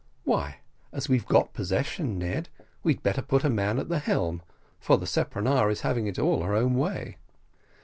"Why, as we've got possession, Ned, we had better put a man at the helm for the speronare is having it all her own way."